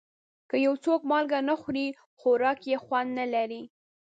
که یو څوک مالګه نه خوري، خوراک یې خوند نه لري.